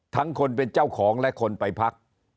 ทั้งคนเป็นเจ้าของและคนไปพัก